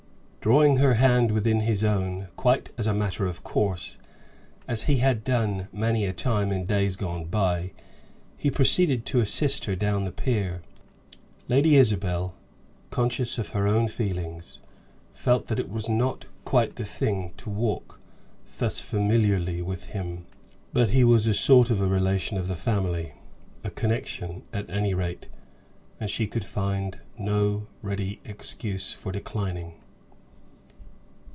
Drawing her hand within his own quite as a matter of course, as he had done many a time in days gone by, he proceeded to assist her down the pier. Lady Isabel, conscious of her own feelings, felt that it was not quite the thing to walk thus familiarly with him, but he was a sort of relation of the family a connection, at any rate and she could find no ready excuse for declining.